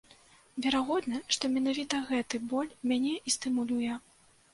Верагодна, што менавіта гэты боль мяне і стымулюе.